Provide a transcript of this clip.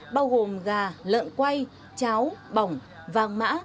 bao gồm gà lợn quay cháo bỏng vàng mã